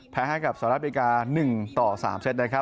แพ้ให้กับสหรัฐเวลา๑ต่อ๓เซ็ต